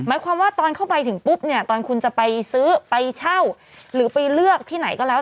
หมายความว่าตอนเข้าไปถึงปุ๊บเนี่ยตอนคุณจะไปซื้อไปเช่าหรือไปเลือกที่ไหนก็แล้ว